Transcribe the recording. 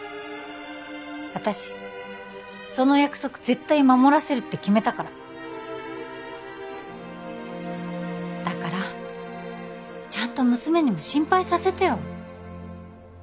私その約束絶対守らせるって決めたからだからちゃんと娘にも心配させてよ